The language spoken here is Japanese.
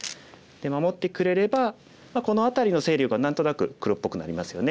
守ってくれればこの辺りの勢力は何となく黒っぽくなりますよね。